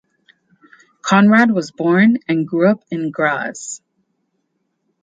Konrad was born and grew up in Graz.